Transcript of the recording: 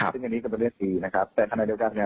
ซึ่งตัวนี้ก็เป็นเลือด๓นะคะแต่ในขณะเดี๋ยวก่อนนี้